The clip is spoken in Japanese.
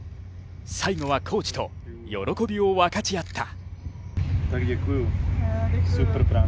最後はコーチと喜びを分かち合った。